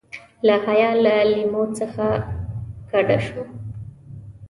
له حیا له لیمو څخه کډه شو.